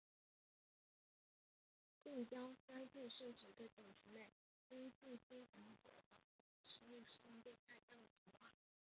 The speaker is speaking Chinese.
近交衰退是指一个种群内因近亲繁殖而导致其生物适应度下降的情况。